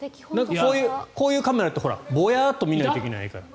こういうカメラってぼやっと見ないといけないから。